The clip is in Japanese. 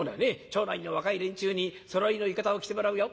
町内の若い連中にそろいの浴衣を着てもらうよ。